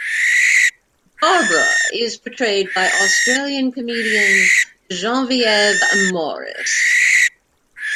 Barbara is portrayed by Australian comedian Genevieve Morris.